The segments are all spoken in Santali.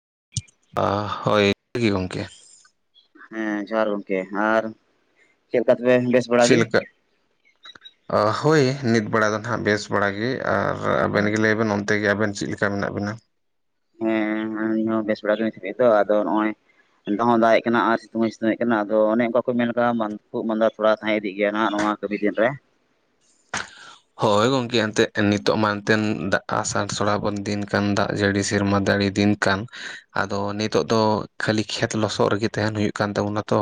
[inaudible] ᱟ ᱦᱳᱭ [inaudible] ᱜᱮ ᱜᱚᱢᱠᱮ᱾ ᱦᱮᱸ ᱡᱚᱦᱟᱨ ᱜᱚᱝᱠᱮ ᱟᱨ ᱪᱮᱫ ᱞᱮᱠᱟ ᱛᱚᱵᱮ ᱵᱮᱥ ᱵᱟᱲᱟ ᱜᱮ? ᱪᱮᱞᱮᱠᱟ ᱚ ᱦᱳᱭ ᱱᱤᱛ ᱵᱮᱲᱟ ᱫᱚ ᱱᱟᱱᱟᱜ ᱵᱮᱥ ᱵᱟᱲᱟ ᱜᱮ ᱟᱨ ᱟᱵᱮᱱ ᱜᱮ ᱞᱟᱹᱭ ᱵᱮᱱ ᱚᱱᱛᱮ ᱜᱮ ᱟᱵᱮᱱ ᱪᱮᱫ ᱞᱮᱠᱟ ᱢᱮᱱᱟᱜ ᱵᱮᱱᱟ? [unintelligible] ᱦᱚᱸ ᱵᱮᱥ ᱵᱮᱲᱟ ᱜᱮ ᱱᱤᱛ ᱦᱟᱵᱤᱡ ᱫᱚ ᱟᱫᱚ ᱱᱚᱜ-ᱚᱭ ᱮᱱᱛᱚ ᱦᱚᱸ ᱫᱟᱜᱮᱜ ᱠᱟᱱᱟ ᱟᱨ ᱥᱤᱛᱩᱝ ᱦᱚᱸᱭ ᱥᱤᱛᱩᱧᱮᱫ ᱠᱟᱱᱟ, ᱟᱫᱚ ᱚᱱᱮ ᱚᱱᱠᱟ ᱠᱚ ᱢᱮᱱ ᱟᱠᱟ-ᱟ ᱠᱷᱩᱜ ᱢᱟᱸᱫᱟ ᱛᱷᱚᱲᱟ ᱛᱟᱦᱮᱸ ᱤᱫᱤᱜ ᱜᱮᱭᱟ ᱱᱟᱦᱟᱜ ᱱᱚᱣᱟ ᱠᱟᱹᱢᱤ ᱫᱤᱱ ᱨᱮ᱾ ᱦᱳᱭ ᱜᱚᱝᱠᱮ ᱮᱱᱛᱮᱫ ᱱᱤᱛᱚᱜ ᱢᱟ ᱮᱱᱛᱮᱱ ᱫᱟᱜ ᱟᱥᱟᱲ ᱥᱚᱲᱟᱵᱚᱱ ᱫᱤᱱ ᱠᱟᱱᱟᱱ, ᱫᱟᱜ ᱡᱟᱹᱲᱤ ᱥᱮᱨᱢᱟ ᱫᱟᱹᱲᱤ ᱫᱤᱱ ᱠᱟᱱ ᱟᱫᱚ ᱱᱤᱛᱚᱜ ᱫᱚ ᱠᱷᱟᱹᱞᱤ ᱠᱷᱮᱛ ᱞᱚᱥᱚᱫ ᱨᱮᱜᱮ ᱛᱟᱦᱮᱱ ᱦᱩᱭᱩᱜ ᱠᱟᱱ ᱛᱟᱵᱚᱱᱟ ᱛᱚ᱾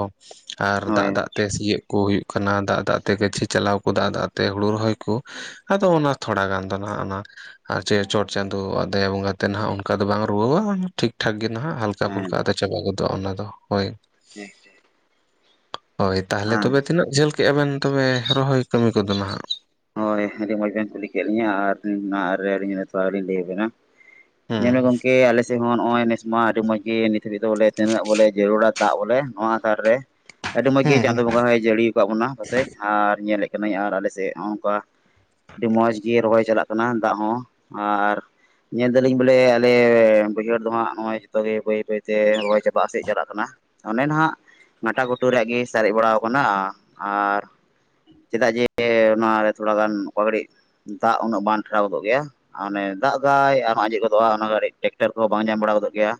ᱟᱨ ᱫᱟᱜ ᱦᱳᱭ ᱫᱟᱜ ᱛᱮ ᱥᱤᱭᱳᱜ ᱠᱚ ᱦᱩᱭᱩᱜ ᱠᱟᱱᱟ ᱫᱟᱜ ᱫᱟᱜ ᱛᱮ ᱜᱟᱹᱶᱷᱤ ᱪᱟᱞᱟᱣ ᱠᱚ, ᱫᱟᱜ ᱫᱟᱜᱛᱮ ᱦᱩᱲᱩ ᱨᱚᱦᱚᱭ ᱠᱚ᱾ ᱟᱫᱚ ᱚᱱᱟ ᱛᱷᱚᱲᱟ ᱜᱟᱱ ᱫᱚ ᱱᱟᱦᱟᱜ ᱚᱱᱟ ᱟᱨ ᱪᱮ ᱪᱚᱴ ᱪᱟᱸᱫᱚᱳᱭᱥᱜ ᱫᱟᱭᱟ ᱵᱚᱸᱜᱟ ᱛᱮ ᱱᱟᱜ ᱚᱱᱠᱟ ᱫᱚ ᱵᱟᱝ ᱨᱩᱣᱟᱹᱣᱟ ᱢᱟᱱᱮᱱᱴᱷᱤᱠᱼᱴᱷᱟᱠ ᱜᱮ ᱱᱟᱦᱟᱜ ᱦᱟᱞ ᱪᱟᱯᱷᱩᱞ ᱦᱮᱸ ᱠᱟᱜ ᱛᱮ ᱪᱟᱵᱟ ᱜᱚᱫᱚᱜᱼᱟ ᱚᱱᱟ ᱫᱚ ᱦᱳᱭ᱾ ᱴᱷᱤᱠ ᱴᱷᱤᱠ᱾ ᱦᱳᱭ ᱛᱟᱦᱚᱞᱮ ᱦᱮᱸ ᱛᱚᱵᱮ ᱛᱤᱱᱟᱹᱜ ᱡᱷᱟᱹᱞ ᱠᱮᱫᱼᱟ ᱵᱮᱱ ᱛᱚᱵᱮ ᱨᱚᱦᱚᱭ ᱠᱟᱹᱢᱤ ᱠᱚᱫᱚ ᱱᱟᱦᱟᱜ? ᱮᱦ ᱟᱹᱰᱤ ᱢᱚᱸᱡᱽ ᱵᱮᱱ ᱠᱩᱞᱤ ᱠᱮᱫ ᱞᱤᱧᱟ ᱟᱨ ᱱᱚᱣᱟ ᱟᱨᱮ ᱟᱞᱤᱧ ᱱᱱᱤᱛᱚᱜ ᱟᱨᱞᱤᱧ ᱞᱟᱹᱭᱟᱵᱮᱱᱟ᱾ ᱧᱮᱞ ᱢᱮ ᱦᱩᱸ ᱜᱚᱝᱠᱮ ᱟᱠᱮᱥᱮ ᱪᱮᱦᱚᱸ ᱱᱚᱜᱼᱚᱸᱭ ᱱᱮᱥ ᱢᱟ ᱟᱰᱤ ᱢᱚᱡᱽ ᱜᱮ ᱱᱤᱛ ᱦᱤᱵᱤᱜ ᱫᱚ ᱵᱚᱞᱮ, ᱛᱤᱱᱟᱹᱜ ᱵᱚᱞᱮ ᱡᱟᱹᱨᱩᱲᱟ ᱫᱟᱜ ᱵᱚᱞᱮ ᱱᱚᱣᱟ ᱷᱟᱨ ᱨᱮ? ᱟᱹᱰᱤ ᱢᱚᱡ ᱦᱮᱸ ᱜᱮ ᱦᱮᱸ ᱪᱟᱸᱫᱚ ᱵᱚᱸᱜᱟ ᱦᱚᱭ ᱡᱟᱲᱤᱣ ᱠᱟᱜ ᱵᱚᱱᱟ ᱯᱟᱥᱮᱡ ᱟᱨ ᱧᱮᱞᱮᱜ ᱠᱟᱹᱱᱟᱹᱧ ᱟᱨ ᱟᱞᱮᱥᱮᱜ ᱦᱚᱸᱜᱼᱚᱝᱠᱟ᱾ ᱰᱤ ᱢᱚᱡᱽ ᱜᱮ ᱨᱚᱦᱚᱭ ᱪᱟᱞᱟᱜ ᱠᱟᱱᱟ ᱫᱟᱜ ᱦᱚᱸ ᱟᱨ ᱧᱮᱞ ᱫᱟᱞᱤᱧ ᱵᱚᱞᱮ ᱟᱞᱮ ᱵᱟᱹᱭᱦᱟᱹᱲ ᱫᱚ ᱦᱟᱸᱜ, ᱱᱚᱜᱼᱚᱸᱭ ᱡᱷᱚᱛᱚ ᱜᱮ ᱵᱟᱹᱭ-ᱵᱟᱹᱭ ᱛᱮ ᱨᱚᱦᱚᱭ ᱪᱟᱵᱟᱜ ᱥᱮᱡ ᱪᱟᱞᱟᱜ ᱠᱟᱱᱟ᱾ ᱚᱱᱮ ᱱᱟᱦᱟᱜ ᱜᱟᱴᱟ-ᱜᱩᱴᱩ ᱨᱮᱭᱟᱜ ᱜᱮᱹ ᱥᱟᱨᱮᱜ ᱵᱟᱲᱟᱣ ᱠᱟᱱᱟᱦ ᱟᱨ ᱪᱮᱫᱟᱜ ᱡᱮ ᱱᱚᱣᱟᱨᱮ ᱛᱷᱚᱲᱟ ᱜᱟᱱ ᱚᱠᱟ ᱜᱟᱲᱤᱜ ᱫᱟᱜ ᱩᱱᱟᱹᱜ ᱵᱟᱱ ᱴᱷᱮᱲᱟᱣ ᱜᱚᱫᱚᱜ ᱜᱮᱭᱟ᱾ ᱟ ᱚᱱᱮ ᱫᱟᱜ ᱫᱟᱭ ᱟᱨᱦᱚᱸ ᱟᱸᱡᱮᱜ ᱜᱚᱫᱚᱜᱼᱟ, ᱚᱱᱟ ᱜᱟᱲᱤᱡ ᱴᱮᱠᱴᱟᱨ ᱠᱚ ᱵᱟᱝ ᱧᱟᱢ ᱵᱟᱲᱟ ᱜᱚᱫᱚᱜ ᱜᱮᱭᱟ᱾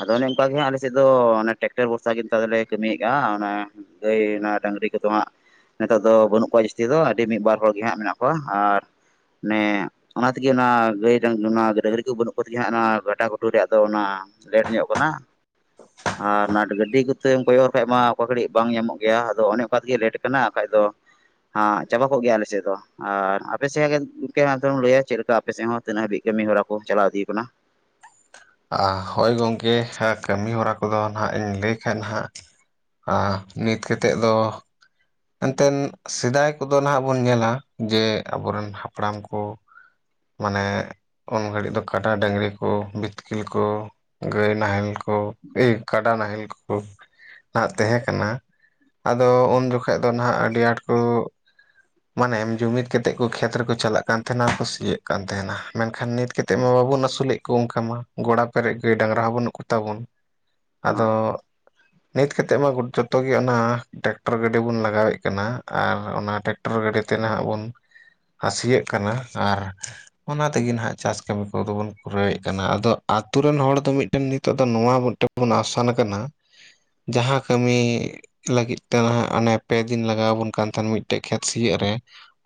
ᱟᱫᱚ ᱚᱱᱮ ᱚᱝᱠᱟ ᱜᱮ ᱦᱟᱸᱜ ᱟᱞᱮᱥᱮᱫ ᱫᱚ, ᱚᱱᱮ ᱴᱮᱠᱴᱟᱨ ᱵᱷᱚᱨᱥᱟ ᱜᱮ ᱛᱚ, ᱟᱫᱚᱞᱮ ᱠᱟᱢᱤᱭᱮᱜ ᱜᱮᱭᱟ ᱟ ᱚᱱᱮ ᱜᱟᱹᱭ ᱱᱟ, ᱰᱟᱝᱨᱤ ᱠᱚᱫᱚ ᱶᱟᱜ ᱱᱤᱛᱚᱜ ᱫᱚ ᱵᱟᱹᱱᱩᱜ ᱠᱚᱣᱟ ᱡᱤᱥᱛᱤ ᱫᱚ᱾ ᱰᱤ ᱢᱤᱜ, ᱵᱟᱨ ᱦᱚᱲ ᱜᱮ ᱦᱟᱸᱜ ᱢᱮᱱᱟᱜ ᱠᱚᱣᱟ ᱟᱨ ᱱᱮ ᱚᱱᱟ ᱛᱮᱜᱮ ᱱᱟ ᱜᱟᱹᱭ, ᱰᱟᱝ ᱜᱟᱹᱱᱟ ᱰᱟᱹᱝᱨᱤ ᱠᱩ ᱵᱟᱹᱱᱩᱜ ᱠᱚᱛᱤ ᱜᱤ ᱦᱟᱸᱜ ᱟᱱᱟ ᱜᱷᱟᱴᱟ-ᱜᱷᱩᱴᱩ ᱨᱮᱭᱟᱜ ᱫᱚ ᱚᱱᱟ ᱞᱮᱴ ᱧᱚᱜ ᱠᱟᱱᱟᱻ᱾ ᱟᱨ ᱱᱟᱴ ᱜᱟᱹᱰᱤ ᱠᱚᱛᱮᱢ ᱠᱚᱭᱚᱨ ᱠᱷᱟᱜ ᱢᱟ ᱚᱠᱟ ᱜᱷᱟᱹᱲᱤᱜ ᱵᱟᱝ ᱧᱟᱢᱚᱜ ᱜᱮᱭᱟ᱾ ᱟᱫᱚ ᱚᱱᱮ ᱚᱠᱟ ᱛᱮᱜᱮ ᱞᱮᱴ ᱠᱟᱱᱟ ᱟᱠᱷᱟᱡ ᱫᱚ ᱟ ᱪᱟᱵᱟ ᱠᱚᱜ ᱜᱮᱭᱟ ᱟᱞᱮ ᱥᱮᱜ ᱫᱚ᱾ ᱟᱨ ᱟᱯᱮ ᱥᱮᱭᱟᱜ [inaudible] ᱩᱸᱠᱮ ᱢᱟᱛᱚᱢ ᱞᱟᱹᱭᱟ ᱪᱮᱜ ᱞᱮᱠᱟ ᱟᱯᱮ ᱥᱮᱜ ᱦᱚᱸ ᱛᱤᱱᱟᱹᱜ ᱦᱟᱹᱵᱤᱡ ᱠᱟᱹᱢᱤ ᱦᱚᱨᱟ ᱠᱚ ᱪᱟᱞᱟᱣ ᱤᱫᱤ ᱠᱟᱱᱟ? ᱟ ᱦᱳᱭ ᱜᱚᱝᱠᱮ, ᱦᱮ ᱠᱟᱹᱢᱤ ᱦᱚᱨᱟ ᱠᱚᱫᱚ ᱱᱷᱟᱜ ᱤᱧ ᱞᱟᱹᱭ ᱠᱷᱟᱱ ᱦᱟᱸᱜ ᱟᱦ ᱱᱤᱛ ᱠᱟᱛᱮᱜ ᱫᱚ ᱮᱱᱛᱮᱱ ᱥᱮᱫᱟᱭ ᱠᱚᱫᱚ ᱱᱟᱦᱟᱜ ᱵᱚᱱ ᱧᱮᱞᱟ ᱡᱮ ᱟᱵᱚ ᱨᱮᱱ ᱦᱟᱯᱲᱟᱢ ᱠᱚ ᱢᱟᱱᱮᱜ ᱩᱱ ᱜᱷᱟᱹᱲᱤᱜ ᱫᱚ ᱠᱟᱰᱟ, ᱰᱟᱹᱝᱨᱤ ᱠᱳ ᱵᱤᱛᱠᱤᱞ ᱠᱳ, ᱜᱟᱹᱭ ᱱᱟᱦᱮᱞ ᱠᱚ, ᱮᱹ ᱠᱟᱰᱟ ᱱᱟᱦᱮᱞ ᱠᱚ ᱟᱸᱜ ᱛᱮᱦᱮᱸ ᱠᱟᱱᱟ ᱟᱫᱚ ᱩᱱ ᱡᱚᱠᱷᱮᱡ ᱫᱚ ᱱᱷᱟᱜ ᱟᱰᱤ ᱟᱸᱴ ᱠᱩᱜ ᱢᱟᱱᱮᱢ ᱡᱩᱢᱤᱫ ᱠᱮᱛᱮᱜ ᱠᱚ ᱠᱷᱮᱛ ᱨᱮᱠᱚ ᱪᱟᱞᱟᱜ ᱠᱟᱱ ᱛᱷᱮᱱᱟ ᱟ ᱠᱚ ᱥᱤᱭᱮᱹᱜ ᱠᱟᱱ ᱛᱮᱦᱮᱱᱟ᱾ ᱢᱮᱱᱠᱷᱟᱱ ᱱᱤᱛ ᱠᱮᱛ ᱛᱮ ᱢᱟ ᱵᱟᱵᱚᱱ ᱟᱥᱩᱞᱮᱜ ᱠᱚ ᱚᱝᱠᱟ ᱢᱟ᱾ ᱜᱚᱲᱟ ᱯᱮᱨᱮᱡ ᱜᱟᱹ, ᱰᱟᱝᱨᱟ ᱦᱚᱸ ᱵᱟᱹᱱᱩᱜ ᱠᱚᱛᱟ ᱵᱚᱱ᱾ ᱟᱫᱚ ᱦᱳᱭ ᱱᱤᱛ ᱠᱮᱛᱮᱜ ᱢᱟ ᱜᱚᱫ ᱡᱚᱛᱚ ᱜᱮ ᱚᱱᱟ ᱴᱮᱠᱴᱚᱨ ᱜᱟ ᱰᱤ ᱵᱚᱱ ᱞᱟᱜᱟᱣᱮᱜ ᱠᱟᱱᱟ ᱟᱨ ᱚᱱᱟ ᱴᱮᱠᱴᱟᱨ ᱜᱟᱹᱰᱤ ᱛᱮ ᱱᱟᱦᱟᱜ ᱵᱚᱱ ᱟ ᱥᱤᱭᱮᱜ ᱠᱟᱱᱟ ᱟᱨ ᱚᱱᱟ ᱛᱮᱜᱮ ᱱᱟᱦᱟᱜ ᱪᱟᱥ ᱠᱟᱢᱤ ᱠᱚ ᱫᱚ ᱵᱚᱱ ᱯᱩᱨᱟᱹᱣᱮᱜ ᱠᱟᱱᱟ᱾ ᱟᱫᱚ ᱟᱛᱩ ᱨᱮᱱ ᱦᱚᱲ ᱫᱚ ᱢᱤᱜᱴᱮᱱ ᱱᱤᱛᱚᱜ ᱫᱚ ᱱᱚᱣᱟ ᱢᱤᱴ ᱵᱚᱱ ᱟᱣᱥᱟᱱ ᱠᱟᱱᱟ ᱡᱟᱦᱟᱸ ᱠᱟᱢᱤ ᱞᱟᱹᱜᱤᱫ ᱛᱮ ᱱᱟᱦᱟᱜ ᱟᱱᱮ ᱯᱮ ᱫᱤᱱ ᱞᱟᱜᱟᱣ ᱵᱚᱱ ᱠᱟᱱ ᱛᱷᱮᱱ ᱢᱤᱜᱴᱮᱜ ᱠᱷᱮᱛ ᱥᱤᱭᱮᱜ ᱨᱮ᱾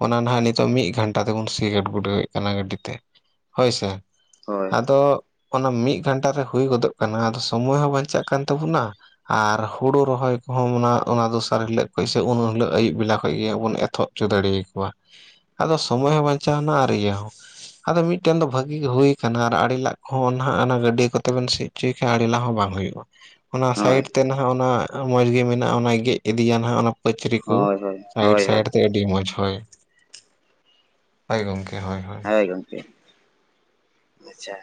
ᱚᱱᱟ ᱱᱟᱦᱟᱜ ᱱᱤᱛᱚᱜ ᱢᱤᱜ ᱜᱷᱟᱱᱴᱟ ᱛᱮᱵᱚᱱ ᱥᱤ ᱜᱟᱴ-ᱜᱩᱰᱟᱹᱣᱮᱜ ᱠᱟᱱᱟ, ᱜᱟᱹᱰᱤ ᱛᱮ ᱦᱳᱭᱥᱮ᱾ ᱦᱳᱭ ᱟᱫᱚ ᱚᱱᱟ ᱢᱤᱫ ᱜᱷᱟᱱᱴᱟ ᱨᱮᱦ ᱦᱩᱭ ᱜᱚᱫᱚᱜ ᱠᱟᱱᱟ, ᱟᱫᱚ ᱥᱚᱢᱚᱭ ᱦᱚᱸ ᱵᱟᱧᱪᱟᱜ ᱠᱟᱱ ᱛᱟᱵᱚᱱᱟ ᱟᱨ ᱦᱩᱲᱩ ᱨᱚᱦᱚᱭ ᱠᱚᱦᱚᱸ ᱢᱚᱱᱟ ᱚᱱᱟ ᱫᱚᱥ- -ᱟᱨ ᱦᱤᱞᱟᱹᱜ ᱠᱷᱚᱡ ᱥᱮ ᱩᱱ ᱦᱤᱞᱟᱹᱜ ᱟᱭᱩᱵ ᱵᱮᱞᱟ ᱠᱷᱚᱡ ᱜᱮᱭᱟᱵᱚᱱ ᱮᱛᱷᱚᱵ ᱪᱚ ᱫᱟᱲᱮᱭ ᱠᱚᱣᱟ᱾ ᱟᱫᱚ ᱥᱚᱢᱚ ᱭᱚᱸ ᱵᱟᱧᱪᱟᱣ ᱱᱟ ᱟᱨ ᱤᱭᱟᱹ ᱦᱚᱸ᱾ ᱟᱫᱚ ᱢᱤᱜᱴᱮᱱ ᱫᱚ ᱵᱷᱟᱜᱤ ᱜᱮ ᱦᱩᱭ ᱠᱟᱱᱦᱟ ᱟᱨ ᱟᱲᱮ ᱞᱟᱜ ᱠᱷᱚᱸ ᱱᱟᱦᱟᱸᱜ ᱟᱱᱟ ᱜᱟᱹᱰᱤ ᱠᱚᱛᱮ ᱵᱮᱱ ᱥᱤ ᱪᱚᱭ ᱠᱷᱟ ᱟᱲᱤ ᱞᱟ ᱦᱚᱸ ᱵᱟᱝ ᱦᱩᱭᱩᱜᱼᱟ᱾ ᱚᱱᱟ ᱦᱳᱭ ᱥᱟᱭᱤᱰ ᱛᱮ ᱱᱟᱦᱟᱜ, ᱚᱱᱟ ᱟᱸ ᱢᱚᱸᱡᱽ ᱜᱮ ᱢᱤᱱᱟᱜᱼᱟ, ᱚᱱᱟᱭ ᱜᱮᱜ ᱜᱤᱰᱤᱭᱟ ᱱᱟᱦᱟᱜ ᱚᱱᱟ ᱯᱟᱹᱪᱨᱤ ᱠᱩ ᱦᱳᱭ ᱦᱳᱭ ᱦᱳᱭ ᱦᱳᱭ ᱥᱟᱭᱤᱴ-ᱥᱟᱭᱤᱴ ᱛᱮ ᱰᱤ ᱢᱚᱡᱽ ᱦᱚᱭ᱾ ᱦᱚᱭ ᱜᱚᱝᱠᱮ, ᱦᱚᱭ-ᱦᱚ ᱦᱚᱭ ᱜᱚᱝᱠᱮ, ᱟᱪᱷᱟ᱾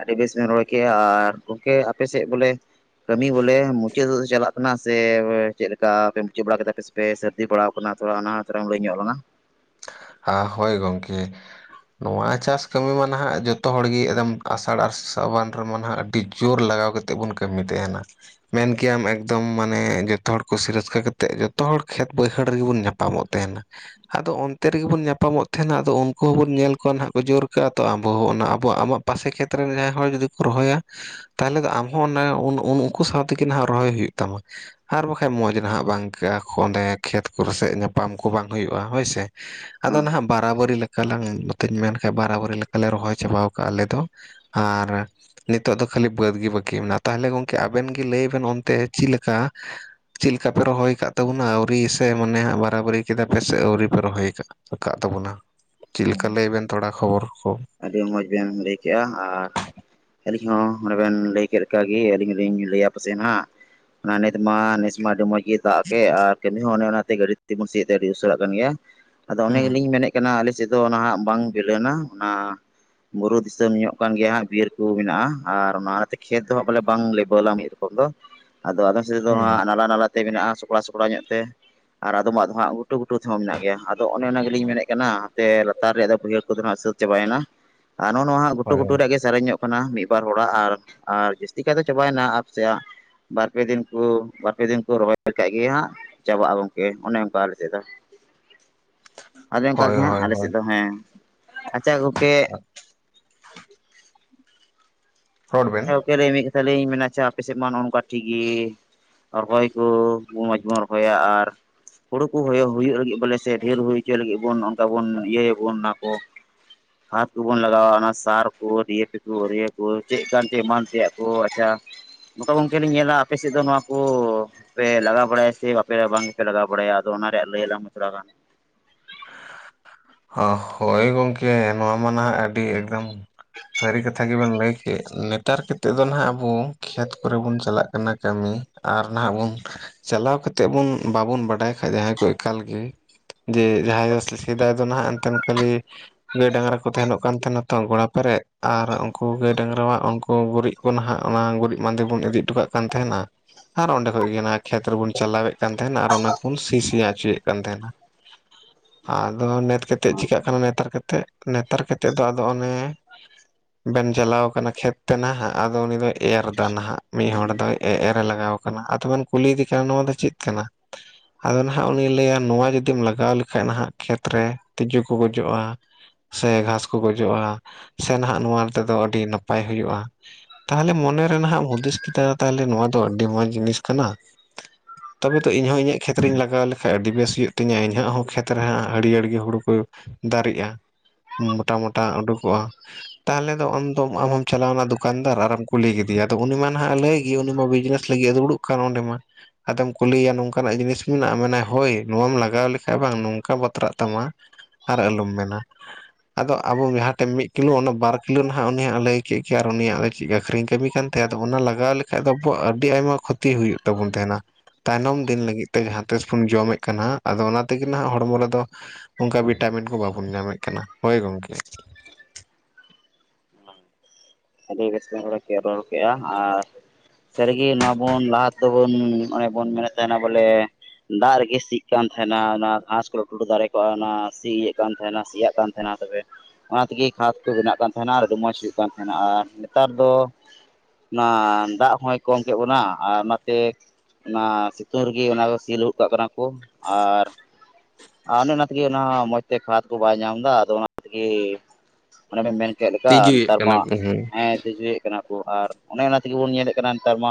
ᱟᱰᱤ ᱵᱮᱥ ᱵᱮᱸ ᱨᱚᱲ ᱠᱮ ᱟᱨ ᱜᱚᱝᱠᱮ, ᱟᱯᱮ ᱥᱮᱜ ᱵᱚᱞᱮ ᱠᱟᱹᱢᱤ ᱵᱚᱞᱮ ᱢᱩᱪᱟᱹ ᱣᱮᱜ ᱪᱟᱞᱟᱜ ᱠᱟᱱᱟ ᱥᱮ ᱣᱮ ᱪᱮᱜ ᱞᱮᱠᱟ ᱯᱮ ᱢᱩᱪᱟᱹᱜ ᱵᱟᱲᱟ ᱠᱮᱫᱟ ᱯᱮᱥᱮ? ᱯᱮ ᱥᱟᱹᱨᱫᱤ ᱵᱟᱲᱟᱣ ᱠᱟᱱᱟ, ᱛᱷᱩᱲᱟ ᱟᱱᱟ ᱛᱟᱨᱟᱢ ᱞᱟᱹᱭ ᱧᱚᱜ ᱞᱟᱝᱟ? ᱟ ᱦᱳᱭ ᱜᱚᱝᱠᱮ᱾ ᱱᱚᱣᱟ ᱪᱟᱥ ᱠᱟᱹᱢᱤ ᱢᱟ ᱱᱟᱦᱟᱜ ᱡᱚᱛᱚ ᱦᱚᱲ ᱜᱮ ᱮᱫᱚᱢ ᱟᱥᱟᱲ ᱟ ᱥᱨᱟᱵᱟᱱ ᱨᱮᱢᱟ ᱱᱟᱦᱟᱜ ᱟᱹᱰᱤ ᱡᱳᱨ ᱞᱟᱜᱟᱣ ᱠᱟ ᱛᱮ ᱵᱚᱱ ᱠᱟᱹᱢᱤ ᱛᱮᱦᱮᱸᱱᱟ᱾ ᱢᱮᱱ ᱠᱮᱭᱟᱢ ᱮᱠᱫᱚᱢ ᱢᱟᱱᱮ ᱡᱚᱛᱚ ᱦᱚᱲ ᱠᱩᱥᱤ ᱨᱟᱹᱥᱠᱟᱹ ᱠᱟᱛᱮᱜ ᱡᱚᱛᱚ ᱦᱚᱲ ᱠᱷᱮᱛ ᱵᱟᱹᱭᱦᱟᱹᱲ ᱨᱮᱜᱮ ᱵᱚᱱ ᱧᱟᱯᱟᱢᱚᱜ᱾ ᱛᱮᱦᱮᱸᱱᱟ ᱟᱫᱚ ᱚᱱ ᱛᱮ ᱨᱮᱜᱮ ᱵᱚᱱ ᱧᱟᱯᱟᱢᱚᱜ ᱛᱮᱦᱮᱸᱱᱟ ᱟᱫᱚ ᱩᱱᱠᱩ ᱦᱚᱸᱵᱚᱱ ᱧᱮᱞ ᱠᱚᱣᱟ ᱱᱟᱦᱟᱜ ᱠᱚ ᱡᱳᱨ ᱠᱟᱜᱼᱟ ᱛᱚ ᱟᱵᱚ ᱦᱚᱸ ᱚᱱᱟ ᱟᱵᱚᱣᱟᱜ ᱟᱢᱟᱜ ᱯᱟᱥᱮ ᱠᱷᱮᱛᱨᱮᱱ ᱡᱟᱦᱟᱸᱭ ᱦᱚ ᱡᱩᱫᱤ ᱠᱚ ᱨᱚᱦᱚᱭᱟ᱾ ᱛᱟᱦᱚᱞᱮ ᱫᱚ ᱟᱢᱦᱚᱸ ᱚᱱᱟ ᱩᱱ-ᱩᱱ-ᱩᱱᱠᱩ ᱥᱟᱣ ᱛᱮᱜᱤ ᱱᱟᱦᱟᱜ ᱨᱚᱦᱚᱭ ᱦᱩᱭᱩᱜ ᱛᱟᱢᱟ᱾ ᱟᱨ ᱵᱟᱠᱷᱟᱡ ᱢᱚᱸᱡᱽ ᱱᱟᱦᱟᱜ ᱵᱟᱝ ᱤᱠᱟᱹᱜᱼᱟ ᱠᱚ ᱚᱸᱰᱮ ᱠᱷᱮᱛ ᱠᱚᱨᱮ ᱥᱮᱜ ᱧᱟᱯᱟᱢ ᱠᱚ ᱵᱟᱝ ᱦᱩᱭᱩᱜ-ᱟ ᱦᱳᱭ ᱥᱮ᱾ ᱟᱫᱚ ᱦᱮᱸ ᱱᱟᱦᱟᱜ ᱵᱟᱨᱟᱵᱟᱹᱨᱤ ᱞᱮᱠᱟ ᱞᱟᱝ ᱱᱚᱛᱮᱧ ᱢᱮᱱ ᱠᱷᱟᱡ ᱵᱟᱨᱟᱵᱟᱹᱨᱤ ᱞᱮᱠᱟᱞᱮ ᱨᱚᱦᱚᱭ ᱪᱟᱵᱟᱣ ᱠᱟᱜ ᱟᱞᱮ ᱫᱚ᱾ ᱟᱨ ᱱᱤᱛᱚᱜ ᱫᱚ ᱠᱷᱟᱹᱞᱤ ᱵᱟᱹᱫᱽ ᱜᱮ ᱵᱟᱹᱠᱤ ᱢᱮᱱᱟᱜ, ᱛᱟᱦᱚᱞᱮ ᱜᱚᱝᱠᱮ ᱟᱵᱮᱱ ᱜᱤ ᱞᱟᱹᱭ ᱵᱮᱱ ᱚᱱᱛᱮ ᱪᱤ ᱞᱮᱠᱟ? ᱪᱤᱞᱠᱟ ᱯᱮ ᱨᱚᱦᱚᱭ ᱠᱟᱜ ᱛᱟᱵᱩᱱᱟ ᱟᱹᱣᱨᱤ ᱥᱮ ᱢᱚᱱᱮ ᱦᱟᱸᱜ ᱵᱟᱨᱟᱵᱟᱨᱤ ᱠᱮᱫᱟ ᱯᱮ ᱥᱮ ᱟᱹᱣᱨᱤ ᱯᱮ ᱨᱚᱦᱚᱭ? ᱪᱟᱜ ᱠᱟᱜ ᱛᱟᱵᱚᱱᱟ, ᱪᱤᱞᱠᱟ ᱦᱳᱭ ᱞᱟᱹᱭ ᱵᱮᱱ ᱛᱷᱚᱲᱟ ᱠᱷᱚᱵᱚᱨ ᱠᱚ? ᱟᱹᱰᱤ ᱢᱚᱸᱡᱽ ᱵᱮᱱ ᱞᱟᱹᱭ ᱠᱮᱜᱼᱟ, ᱟᱨ ᱟᱹᱞᱤᱧ ᱦᱚᱸ ᱱᱚᱰᱮ ᱵᱮᱱ ᱞᱟᱹᱭ ᱠᱮᱜ ᱞᱮᱠᱟ ᱜᱮ ᱟᱹᱞᱤᱧ ᱦᱚᱞᱤᱧ ᱞᱟᱹᱭᱟ ᱯᱟᱥᱮ ᱱᱟᱦᱟᱸᱜ ᱚᱱᱟ ᱱᱤᱛ ᱢᱟ ᱱᱤᱥᱢᱟ ᱟᱹᱰᱤ ᱢᱚᱡᱽ ᱤᱭᱟᱹ ᱫᱟᱜ ᱠᱮ ᱟᱨ ᱠᱟᱹᱢᱤ ᱦᱚᱸ ᱚᱱᱮ ᱚᱱᱟᱛᱮ ᱜᱟᱹᱰᱤ ᱛᱮᱵᱚᱱ ᱥᱤᱭᱮᱜ ᱛᱮ ᱟᱹᱰᱤ ᱩᱥᱟᱹᱨᱟᱜ ᱠᱟᱱ ᱜᱮᱭᱟ, ᱟᱫᱚ ᱚᱱᱮ ᱦᱩᱸ ᱜᱮᱞᱤᱧ ᱢᱮᱱᱮᱜ ᱠᱟᱱᱟ ᱟᱞᱮ ᱥᱮᱡ ᱫᱚ ᱱᱟᱦᱟᱜ ᱵᱟᱝ ᱵᱤᱞᱟᱹᱱᱟ ᱚᱱᱟ᱾ ᱵᱩᱨᱩ ᱫᱤᱥᱟᱹᱢ ᱧᱚᱜ ᱠᱟᱱ ᱜᱮᱭᱟ ᱦᱟᱸᱜ ᱵᱤᱨ ᱠᱩ ᱢᱮᱱᱟᱜ-ᱟ ᱟᱨ ᱚᱱᱟᱛᱮ ᱠᱷᱮᱛ ᱫᱚ ᱦᱟᱸᱜ ᱵᱚᱞᱮ ᱵᱟᱝ ᱞᱮᱵᱚᱞᱟ ᱢᱤᱜ ᱨᱚᱠᱚᱢ ᱫᱚ᱾ ᱟᱫᱚ ᱟᱫᱚᱢ ᱥᱮᱜ ᱫᱚ ᱦᱩᱸ ᱦᱟᱸᱜ ᱱᱟᱞᱟ ᱱᱟᱞᱟᱛᱮ ᱢᱮᱱᱟᱜᱼᱟ ᱥᱚᱠᱲᱟᱼᱥᱚᱠᱲᱟ ᱧᱚᱜ ᱛᱮ᱾ ᱟᱨ ᱟᱫᱚᱢᱟᱜ ᱫᱚ ᱦᱟᱸᱜ ᱜᱷᱩᱴᱩ ᱜᱷᱩᱴᱩ ᱛᱮᱦᱚᱸ ᱢᱤᱱᱟᱜ ᱜᱮᱭᱟ ᱟᱫᱚ ᱚᱱᱮ ᱚᱱᱟ ᱜᱮᱞᱤᱧ ᱢᱮᱱᱮᱜ ᱠᱟᱱᱟ ᱥᱮ ᱞᱟᱛᱟᱨ ᱨᱮᱭᱟᱜ ᱫᱚ ᱵᱟᱹᱭᱦᱟᱹᱲ ᱠᱚᱫᱚ ᱦᱟᱸᱜ ᱥᱟᱹᱛ ᱪᱟᱵᱟᱭᱱᱟ, ᱟ ᱱᱚᱜ-ᱚ ᱱᱚᱣᱟ ᱦᱟᱸᱜ ᱜᱷᱩᱴᱩ ᱦᱳᱭ ᱜᱷᱩᱴᱩ ᱨᱮᱭᱟᱜ ᱜᱮ ᱪᱟᱨᱮᱧᱚᱜ ᱠᱟᱱᱟ ᱢᱤᱜ ᱵᱟᱨ ᱦᱚᱲᱟᱜ ᱟᱨ ᱟᱨ ᱡᱟᱹᱥᱛᱤ ᱠᱟᱭ ᱫᱚ ᱪᱟᱵᱟᱭᱱᱟ ᱟᱯ ᱥᱮᱭᱟᱜ᱾ ᱵᱟᱨ ᱯᱮ ᱫᱤᱱ ᱠᱩ ᱵᱟᱨ ᱯᱮ ᱫᱤᱱ ᱠᱩ ᱨᱚᱦᱚᱭ ᱠᱟᱜ ᱜᱮᱭᱟ ᱦᱟᱸᱜ᱾ ᱪᱟᱵᱟᱜᱼᱟ ᱜᱚᱝᱠᱮ ᱚᱱᱮ ᱩᱝᱠᱟ ᱟᱞᱮ ᱥᱮᱜ ᱫᱚ᱿ [inaudible] ᱟᱫᱚ ᱚᱝᱠᱟ ᱦᱳᱭ ᱜᱮ ᱦᱟᱸᱜ ᱦᱳᱭ ᱟᱞᱮ ᱦᱳᱭ ᱥᱮᱜ ᱫᱚ ᱦᱮᱸ, ᱟᱪᱷᱟ ᱜᱚᱝᱠᱮ ᱦᱚᱰ ᱵᱮᱱ᱾ ᱮ ᱫᱟᱹᱭ ᱢᱤᱜ ᱠᱟᱛᱷᱟ ᱞᱤᱧ ᱢᱮᱱᱟ ᱪᱮ ᱟᱯᱮ ᱥᱮᱜ ᱢᱟ ᱱᱚᱼᱚ ᱱᱚᱝᱠᱟ ᱴᱷᱤᱠ ᱜᱤ᱾ ᱨᱚᱦᱚᱭ ᱠᱩ ᱢᱚᱸᱡᱽ ᱵᱩᱱ ᱨᱚᱦᱚᱭᱟ, ᱟᱨ ᱦᱩᱲᱩ ᱠᱩ ᱦᱚᱭᱚ ᱦᱩᱭᱩᱜ ᱞᱟᱹᱜᱤᱜ ᱵᱚᱞᱮ ᱥᱮ ᱰᱷᱮᱨ ᱦᱩᱭ ᱪᱚᱭ ᱞᱟᱹᱜᱤᱜ ᱵᱚᱱ ᱚᱱᱠᱟ ᱵᱚᱱ ᱤᱭᱟᱹᱭᱟᱵᱚᱱ ᱚᱱᱟ ᱠᱚ᱾ ᱦᱟᱯ ᱠᱚᱵᱚᱱ ᱞᱟᱜᱟᱣᱟ ᱚᱱᱟ ᱥᱟᱨ ᱠᱳ ᱰᱤᱭᱮᱯᱤ ᱠᱳ ᱩᱨᱭᱟᱹ ᱠᱩ ᱪᱮᱜᱠᱟᱱ ᱪᱮ ᱮᱢᱟᱱ ᱛᱮᱭᱟᱜ ᱠᱚ ᱟᱪᱷᱟ ᱱᱚᱠᱟ ᱜᱚᱝᱠᱮ ᱞᱤᱧ ᱧᱮᱞᱟ ᱟᱯᱮ ᱥᱮᱡ ᱫᱚ ᱱᱚᱣᱟ ᱠᱚ ᱯᱮ ᱞᱟᱜᱟᱣ ᱵᱟᱲᱟᱭᱟ ᱥᱮ ᱵᱟᱯᱮ ᱵᱟᱝ ᱯᱮ ᱞᱟᱜᱟᱣ ᱵᱟᱲᱟᱭᱟ ᱟᱫᱚ ᱚᱱᱟ ᱨᱮᱭᱟᱜ ᱞᱟᱹᱭ ᱟᱞᱟᱝ ᱢᱮ ᱛᱷᱩᱲᱟ ᱜᱟᱱ? ᱦᱚ-ᱦᱳᱭ ᱜᱚᱝᱠᱮ ᱱᱚᱣᱟ ᱢᱟ ᱱᱟᱦᱟᱜ ᱟᱹᱰᱤ ᱮᱠᱫᱚᱢ ᱥᱟᱹᱨᱤ ᱠᱟᱛᱷᱟ ᱜᱮᱵᱮᱱ ᱞᱟᱹᱭ ᱠᱮᱜ ᱱᱮᱛᱟᱨ ᱠᱮᱛᱮᱜ ᱫᱚ ᱱᱟᱦᱟᱜ ᱟᱵᱚ ᱠᱷᱮᱛ ᱠᱚᱨᱮ ᱵᱚᱱ ᱪᱟᱞᱟᱜ ᱠᱟᱱᱟ ᱠᱟᱹᱢᱤ ᱟᱨ ᱱᱟᱦᱟᱜ ᱵᱩᱱ ᱪᱟᱞᱟᱣ ᱠᱟᱛᱮᱜ ᱵᱚᱱ ᱵᱟᱵᱩᱱ ᱵᱟᱰᱟᱭ ᱠᱷᱟᱡ ᱡᱟᱦᱟᱸᱭ ᱠᱚ ᱮᱠᱟᱞ ᱜᱮ ᱡᱮ ᱡᱟᱦᱟᱸᱭ ᱫᱚ ᱥᱮ-ᱥᱮᱫᱟᱭ ᱫᱚ ᱱᱟᱦᱟᱜ ᱮᱱᱛᱮᱱ ᱠᱷᱟᱹᱞᱤ ᱜᱟᱹᱭ ᱰᱟᱝᱨᱟ ᱠᱚ ᱛᱟᱦᱮᱸᱱᱚᱜ ᱠᱟᱱ ᱛᱟᱦᱮᱸᱱᱟ ᱛᱚ ᱜᱚᱲᱟ ᱯᱮᱨᱮᱜ ᱟᱨ ᱩᱝᱠᱩ ᱜᱟᱹᱭ ᱰᱟᱝᱨᱟᱣᱟᱜ ᱚᱝᱠᱩ ᱜᱩᱨᱤᱜ ᱠᱚ ᱱᱟᱦᱟᱜ ᱚᱱᱟ ᱜᱩᱨᱤᱡ ᱵᱟᱸᱫᱮ ᱵᱚᱱ ᱤᱫᱤ ᱴᱩᱠᱟᱜ ᱠᱟᱱ ᱛᱟᱦᱮᱱᱟ᱾ ᱟᱨ ᱚᱸᱰᱮ ᱠᱷᱚᱡ ᱜᱮ ᱚᱱᱟ ᱠᱷᱮᱛ ᱨᱮᱵᱚᱱ ᱪᱟᱞᱟᱣᱮᱜ ᱠᱟᱱ ᱛᱟᱦᱮᱱᱟ ᱟᱨ ᱚᱱᱟ ᱠᱩᱱ ᱥᱤ-ᱥᱤᱭᱟᱜ ᱪᱩᱭᱮᱜ ᱠᱟᱱ ᱛᱟᱦᱮᱱᱟ᱾ ᱟᱫᱚ ᱱᱮᱛ ᱠᱟᱛᱮᱜ ᱪᱮᱠᱟᱹᱜ ᱠᱟᱱᱟ ᱱᱮᱛᱟᱨ ᱠᱟᱛᱮᱜ ᱱᱮᱛᱟᱨ ᱠᱟᱛᱮᱜ ᱫᱚ ᱟᱫᱚ ᱚᱱᱮ ᱵᱮᱱ ᱡᱟᱞᱟᱣ ᱠᱟᱱᱟ ᱠᱷᱮᱛ ᱛᱮ ᱱᱟ ᱦᱟᱜ ᱟᱫᱚ ᱩᱱᱤ ᱫᱚᱭ ᱮᱨ ᱫᱟ ᱱᱟᱦᱟᱜ ᱢᱤᱜ ᱦᱚᱲ ᱫᱚᱭ ᱮ-ᱮᱨ ᱞᱟᱜᱟᱣ ᱠᱟᱱᱟ ᱟᱫᱚᱵᱮᱱ ᱠᱩᱞᱤᱭ ᱤᱫᱤ ᱠᱟᱱᱟ, ᱱᱚᱣᱟ ᱫᱚ ᱪᱮᱫ ᱠᱟᱱᱟ? ᱟᱫᱚ ᱱᱟᱦᱟᱸᱜ ᱩᱱᱤ ᱞᱟᱹᱭᱟ ᱱᱚᱣᱟ ᱡᱩᱫᱤᱢ ᱞᱟᱜᱟᱣ ᱞᱮᱠᱷᱟᱡ ᱱᱟᱦᱟᱸᱜ ᱠᱷᱮᱛ ᱨᱮ ᱛᱤᱡᱩ ᱠᱚ ᱜᱚᱡᱚᱜᱼᱟ᱾ ᱥᱮ ᱜᱷᱟᱥ ᱠᱚ ᱜᱚᱡᱚᱜᱼᱟ ᱥᱮ ᱱᱟᱦᱟᱸᱜ ᱱᱚᱣᱟ ᱛᱮᱫᱚ ᱟᱹᱰᱤ ᱱᱟᱯᱟᱭ ᱦᱩᱭᱩᱜᱼᱟ, ᱛᱟᱦᱚᱞᱮ ᱢᱚᱱᱮᱨᱮ ᱱᱟᱜᱦᱟᱸᱜ ᱦᱩᱫᱤᱥ ᱠᱮᱫᱟ ᱛᱟᱦᱚᱞᱮ ᱱᱚᱣᱟ ᱫᱚ ᱟᱹᱰᱤ ᱢᱚᱸᱡ ᱡᱤᱱᱤᱥ ᱠᱟᱱᱟ ᱛᱚᱵᱮ ᱛᱚ ᱤᱧ ᱦᱚᱸ ᱤᱧᱟᱹᱜ ᱠᱷᱮᱛ ᱨᱮᱧ ᱞᱟᱜᱟᱣ ᱞᱮᱠᱷᱟᱡ ᱟᱹᱰᱤ ᱵᱮᱥ ᱦᱩᱭᱩᱜ ᱛᱤᱧᱟᱹ ᱤᱧᱟ. ᱜ ᱦᱚᱸ ᱠᱷᱮᱛ ᱨᱮ ᱦᱟᱸᱜ ᱦᱟᱹᱨᱭᱟᱹᱲ ᱜᱮ ᱦᱩᱲᱩ ᱠᱚ ᱫᱟᱨᱮᱜᱼᱟ ᱢᱚᱴᱟ ᱢᱚᱴᱟ ᱩᱰᱩᱠᱚᱜᱼᱟ᱾ ᱛᱟᱦᱚᱞᱮ ᱫᱚ ᱟᱢ ᱫᱚᱢ ᱟᱢᱦᱚᱢ ᱪᱟᱞᱟᱣᱱᱟ ᱫᱚᱠᱟᱱᱫᱟᱨ ᱟᱨᱮᱢ ᱠᱩᱞᱤ ᱠᱮᱫᱮᱭᱟ ᱟᱫᱚ ᱩᱱᱤ ᱢᱟ ᱱᱟᱦᱟᱸᱜ ᱞᱟᱹᱭ ᱜᱮ ᱩᱱᱤᱢᱟ ᱵᱤᱡᱽᱱᱮᱥ ᱞᱟᱹᱜᱤᱫ ᱮ ᱫᱩᱲᱩᱵ ᱠᱟᱱ ᱚᱸᱰᱮ ᱢᱟ᱾ ᱟᱫᱚᱢ ᱠᱩᱞᱤᱭᱮᱭᱟ ᱱᱚᱝᱠᱟᱱᱟᱜ ᱡᱤᱱᱤᱥ ᱢᱮᱱᱟᱜᱼᱟ ᱢᱮᱱᱟᱭ ᱦᱳᱭ ᱱᱚᱣᱟᱢ ᱞᱟᱜᱟᱣ ᱞᱮᱠᱷᱟᱡ ᱵᱟᱝ ᱱᱚᱝᱠᱟ ᱵᱟ ᱛᱨᱟᱜ ᱛᱟᱢᱟ ᱟᱨ ᱟᱞᱚᱢ ᱢᱮᱱᱟ, ᱟᱫᱚ ᱟᱵᱚ ᱡᱟᱦᱟᱸ ᱴᱷᱮᱱ ᱢᱤᱫ ᱠᱤᱞᱳ ᱚᱱᱟ ᱵᱟᱨ ᱠᱤᱞᱳ ᱱᱟᱦᱟᱸᱜ ᱩᱱᱤᱭᱟᱜ ᱞᱟᱹᱭ ᱠᱮᱫ ᱜᱮᱭᱟ ᱟᱨ ᱩᱱᱤᱭᱟᱜ ᱪᱮᱫ ᱟᱹᱠᱷᱨᱤᱧ ᱠᱟᱹᱢᱤ [unintelligible] ᱚᱱᱟ ᱞᱟᱜᱟᱣ ᱞᱮᱠᱷᱟᱡ ᱫᱚ ᱟᱵᱚᱣᱟᱜ ᱟᱹᱰᱤ ᱟᱭᱢᱟ ᱠᱷᱚᱛᱤ ᱦᱩᱭᱩᱜ ᱛᱟᱵᱚᱱ ᱛᱟᱦᱮᱸᱱᱟ᱾ ᱛᱟᱭᱱᱚᱢ ᱫᱤᱱ ᱞᱟᱹᱜᱤᱫ ᱛᱮ ᱡᱟᱦᱟᱸ ᱛᱤᱥ ᱵᱚᱱ ᱡᱚᱢᱮᱫ ᱠᱟᱱᱟᱜ ᱟᱫᱚ ᱚᱱᱟ ᱛᱮᱜᱮ ᱱᱟᱦᱟᱸᱜ ᱦᱚᱲᱢᱚ ᱨᱮᱫᱚ ᱚᱱᱠᱟ ᱵᱷᱤᱴᱟᱢᱤᱱ ᱠᱚ ᱵᱟᱵᱚᱱ ᱧᱟᱢᱮᱫ ᱠᱟᱱᱟ ᱦᱳᱭ ᱜᱚᱝᱠᱮ᱾ ᱟᱹᱰᱤᱥ ᱵᱮᱥᱵᱮᱱ ᱨᱚᱲ ᱠᱮᱜᱼᱟ ᱟᱨ ᱥᱟᱹᱨᱤᱜᱮ ᱱᱚᱣᱟ ᱵᱚᱱ ᱞᱟᱦᱟ ᱛᱮᱫ ᱵᱚᱱ ᱚᱱᱮ ᱵᱚᱱ ᱢᱮᱱᱮᱫ ᱛᱟᱦᱮᱸᱱᱟ ᱵᱚᱞᱮ ᱫᱟᱜ ᱨᱮᱜᱮ ᱥᱤᱜ ᱠᱟᱱ ᱛᱟᱦᱮᱸᱱᱟ ᱚᱱᱟ ᱜᱷᱟᱥ ᱠᱚᱞ ᱴᱩᱰᱩ ᱫᱟᱨᱮ ᱠᱚᱜᱼᱟ ᱚᱱᱟ ᱥᱤᱭᱮᱫ ᱠᱟᱱ ᱛᱟᱦᱮᱸᱱᱟ ᱥᱤᱭᱟᱜ ᱠᱟᱱ ᱛᱟᱦᱮᱸᱱᱟ ᱛᱚᱵᱮ ᱚᱱᱟ ᱛᱮᱜᱮ ᱠᱷᱟᱫ ᱠᱚ ᱵᱮᱱᱟᱜ ᱠᱟᱱ ᱛᱟᱦᱮᱸᱱᱟ ᱟᱨ ᱟᱹᱰᱤ ᱢᱚᱡᱽ ᱦᱩᱭᱩᱜ ᱠᱟᱱ ᱛᱟᱦᱮᱸᱱᱟ, ᱟᱨ ᱱᱮᱛᱟᱨ ᱫᱚ ᱚᱱᱟ ᱫᱟᱜ ᱦᱚᱸᱭ ᱠᱚᱢ ᱠᱮᱫ ᱵᱚᱱᱟ ᱟᱨ ᱚᱱᱟᱛᱮ ᱚᱱᱟ ᱥᱤᱛᱩᱝ ᱨᱮᱜᱤ ᱚᱱᱟ ᱠᱚ ᱥᱤ ᱞᱟᱦᱩᱫ ᱠᱟᱜ ᱠᱟᱱᱟ ᱠᱚ ᱟᱨ ᱟᱨ ᱚᱱᱮ ᱚᱱᱟ ᱛᱮᱜᱮ ᱚᱱᱟ ᱢᱚᱸᱡᱽ ᱛᱮ ᱠᱷᱟᱫᱽ ᱠᱚ ᱵᱟᱭ ᱧᱟᱢ ᱮᱫᱟ ᱟᱫᱚ ᱚᱱᱟ ᱛᱮᱜᱮ ᱚᱱᱮ ᱵᱮᱱ ᱢᱮᱱ ᱠᱮᱫ ᱞᱮᱠᱟ ᱛᱤᱡᱩᱭᱮᱫ ᱱᱮᱛᱟᱨ ᱠᱟᱱᱟ ᱢᱟ ᱠᱚ ᱦᱮᱸ ᱛᱤᱡᱩᱭᱮᱫ ᱠᱟᱱᱟ ᱠᱚ ᱟᱨ ᱚᱱᱮ ᱚᱱᱟ ᱛᱮᱜᱮ ᱵᱚᱱ ᱧᱮᱞᱮᱫ ᱠᱟᱱᱟ ᱱᱮᱛᱟᱨ ᱢᱟ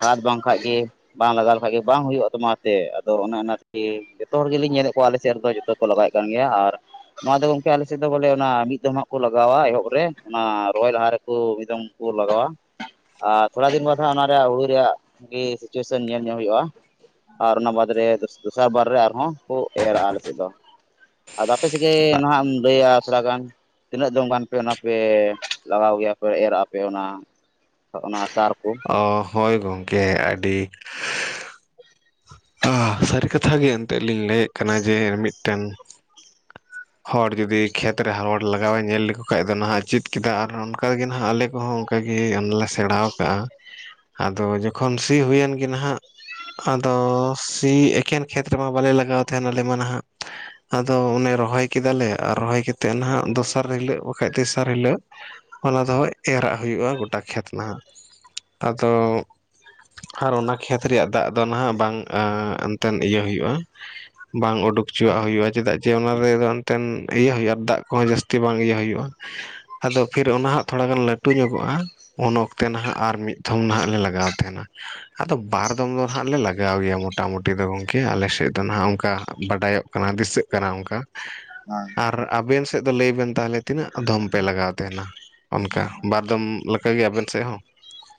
ᱠᱷᱟᱛ ᱵᱟᱝ ᱠᱷᱟᱡ ᱜᱮ ᱵᱟᱝ ᱞᱟᱜᱟᱣ ᱞᱮᱠᱷᱟᱡ ᱜᱮ ᱵᱟᱝ ᱦᱩᱭᱩᱜᱼᱟ ᱛᱟᱢᱟ ᱥᱮ ᱟᱫᱚ ᱚᱱᱮ ᱚᱱᱟ ᱠᱷᱟᱛᱤᱨ ᱡᱷᱚᱛᱚ ᱦᱚᱲ ᱜᱮᱞᱤᱧ ᱧᱮᱞᱮᱫ ᱠᱚᱣᱟ ᱟᱞᱮ ᱥᱮᱫ ᱨᱮᱫᱚ ᱡᱷᱚᱛᱚ ᱠᱚ ᱞᱟᱜᱟᱣᱮᱫ ᱠᱟᱱ ᱜᱮᱭᱟ ᱟᱨ ᱱᱚᱣᱟ ᱫᱚ ᱜᱚᱢᱠᱮ ᱟᱞᱮ ᱥᱮᱫ ᱫᱚ ᱵᱚᱞᱮ ᱚᱱᱟ ᱢᱤᱫ ᱫᱚᱢ ᱦᱟᱸᱜ ᱠᱚ ᱞᱟᱜᱟᱣᱟ ᱮᱦᱚᱵ ᱨᱮ ᱚᱱᱟ ᱨᱚᱦᱚᱭ ᱞᱟᱦᱟᱨᱮ ᱠᱚ ᱢᱤᱫᱫᱚᱢ ᱠᱚ ᱞᱟᱜᱟᱣᱟ, ᱟᱨ ᱛᱷᱚᱲᱟ ᱫᱤᱱ ᱵᱟᱫ ᱦᱟᱸᱜ ᱚᱱᱟ ᱨᱮᱭᱟᱜ ᱦᱩᱲᱩ ᱨᱮᱭᱟᱜ ᱜᱮ ᱥᱤᱪᱩᱭᱮᱥᱚᱱ ᱧᱮᱞ ᱧᱚᱜ ᱦᱩᱭᱩᱜᱼᱟ᱾ ᱟᱨ ᱚᱱᱟ ᱵᱟᱫᱽ ᱨᱮ ᱫᱚᱥᱟᱨ ᱵᱟᱨ ᱨᱮ ᱟᱨᱦᱚᱸ ᱠᱚ ᱮᱨᱟᱜᱼᱟ ᱟᱞᱮᱥᱮᱫ ᱫᱚ᱾ ᱟᱨ ᱟᱯᱮ ᱥᱮᱫ ᱜᱮ ᱱᱟᱦᱟᱸᱜ ᱮᱢ ᱞᱟᱹᱭᱟ ᱛᱷᱚᱲᱟ ᱜᱟᱱ ᱛᱤᱱᱟᱹᱜ [unintelligible] ᱚᱱᱟ ᱯᱮ ᱞᱟᱜᱟᱣ ᱜᱮᱭᱟᱯᱮ ᱮᱨᱜᱟ ᱯᱮ ᱚᱱᱟ ᱚᱱᱟ ᱥᱟᱨ ᱠᱚ? ᱚ ᱦᱳᱭ ᱜᱚᱝᱠᱮ ᱟᱹᱰᱤ ᱥᱟᱹᱨᱤ ᱠᱟᱛᱷᱟ ᱜᱮ ᱠᱟᱴᱤᱡ ᱞᱤᱧ ᱞᱟᱹᱭᱮᱫ ᱠᱟᱱᱟ ᱡᱮ ᱢᱤᱫᱴᱮᱱ ᱦᱚᱲ ᱡᱩᱫᱤ ᱠᱷᱮᱛ ᱨᱮ ᱦᱚᱲ ᱞᱟᱜᱟᱣ ᱮ ᱧᱮᱞ ᱞᱮᱠᱚ ᱠᱷᱟᱱᱡ ᱫᱚ ᱱᱟᱦᱟᱸᱜ ᱪᱮᱫ ᱠᱮᱫᱟ ᱟᱨ ᱚᱱᱠᱟᱜᱮ ᱱᱟᱦᱟᱸᱜ ᱟᱞᱮ ᱠᱚᱦᱚᱸ ᱚᱱᱠᱟ ᱜᱮ ᱚᱱᱟ ᱞᱮ ᱥᱮᱬᱟ ᱠᱟᱜᱼᱟ᱾ ᱟᱫᱚ ᱡᱚᱠᱷᱚᱱ ᱥᱤ ᱦᱩᱭᱮᱱ ᱜᱮ ᱱᱟᱦᱟᱸᱜ, ᱟᱫᱚ ᱥᱤ ᱮᱠᱮᱱ ᱠᱷᱮᱛ ᱨᱮᱢᱟ ᱵᱟᱞᱮ ᱞᱟᱜᱟᱣ ᱛᱟᱦᱮᱸᱱᱟᱞᱮ ᱢᱟ ᱱᱟᱦᱟᱸᱜ᱾ ᱟᱫᱚ ᱚᱱᱮ ᱨᱚᱦᱚᱭ ᱠᱮᱫᱟᱞᱮ ᱟᱨ ᱨᱚᱦᱚᱭ ᱠᱟᱛᱮᱫ ᱱᱟᱦᱟᱸᱜ ᱫᱚᱥᱟᱨ ᱦᱤᱞᱳᱜ ᱵᱟᱠᱷᱟᱡ ᱛᱮᱥᱟᱨ ᱦᱤᱞᱳᱜ ᱚᱱᱟ ᱫᱚ ᱮᱨᱟᱜ ᱦᱩᱭᱩᱜᱼᱟ ᱜᱚᱴᱟ ᱠᱷᱮᱛ ᱱᱟᱦᱟᱸᱜ᱾ ᱛᱚ ᱟᱨ ᱚᱱᱟ ᱠᱷᱮᱛ ᱨᱮᱭᱟᱜ ᱫᱟᱜ ᱫᱚ ᱱᱟᱦᱟᱸᱜ ᱵᱟᱝ ᱮᱱᱛᱮᱫ ᱤᱭᱟᱹ ᱦᱩᱭᱩᱜᱼᱟ, ᱵᱟᱝ ᱩᱰᱩᱠ ᱦᱚᱪᱚᱣᱟᱜ ᱦᱩᱭᱩᱜᱼᱟ ᱪᱮᱫᱟᱜ ᱡᱮ ᱚᱱᱟ ᱨᱮᱫᱚ ᱮᱱᱛᱮᱫ ᱤᱭᱟᱹ ᱦᱩᱭᱩᱜᱼᱟ, ᱟᱨ ᱫᱟᱜ ᱠᱚᱦᱚᱸ ᱡᱟᱹᱥᱛᱤ ᱵᱟᱝ ᱤᱭᱟᱹ ᱦᱩᱭᱩᱜᱼᱟ᱾ ᱟᱫᱚ ᱯᱷᱤᱨ ᱚᱱᱟᱦᱟᱸᱜ ᱛᱷᱚᱲᱟ ᱜᱟᱱ ᱞᱟᱹᱴᱩ ᱧᱚᱜᱚᱜᱼᱟ ᱩᱱ ᱚᱠᱛᱮ ᱱᱟᱦᱟᱸᱜ ᱟᱨ ᱢᱤᱫ ᱛᱷᱚᱢ ᱱᱟᱦᱟᱸᱜ ᱞᱮ ᱞᱟᱜᱟᱣ ᱛᱟᱦᱮᱸᱱᱟ ᱟᱫᱚ ᱵᱟᱨ ᱫᱚᱢ ᱫᱚ ᱱᱟᱦᱟᱸᱜ ᱞᱮ ᱞᱟᱜᱟᱣ ᱜᱮᱭᱟ ᱢᱚᱴᱟᱢᱩᱴᱤ ᱫᱚᱚᱝ ᱠᱮ ᱟᱞᱮ ᱥᱮᱫ ᱫᱚ ᱱᱟᱦᱟᱸᱜ ᱚᱱᱠᱟ ᱵᱟᱰᱟᱭᱚᱜ ᱠᱟᱱᱟ ᱫᱤᱥᱟᱹᱜ ᱠᱟᱱᱟ ᱚᱱᱠᱟ, ᱦᱮᱸ᱾ ᱟᱨ ᱟᱵᱮᱱ ᱥᱮᱫ ᱫᱚ ᱞᱟᱹᱭ ᱵᱮᱱ ᱛᱟᱦᱚᱞᱮ ᱛᱤᱱᱟᱹᱜ ᱫᱷᱚᱢ ᱯᱮ ᱞᱟᱜᱟᱣ ᱛᱟᱦᱮᱱᱟ᱾ ᱚᱱᱠᱟ ᱵᱟᱨᱫᱚᱢ ᱞᱮᱠᱟᱟᱜᱮ ᱟᱵᱮᱱ ᱥᱮᱫ ᱦᱚᱸ?